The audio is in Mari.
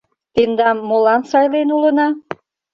Тендам молан сайлен улына?..